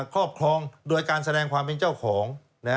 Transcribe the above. ครอบครองโดยการแสดงความเป็นเจ้าของ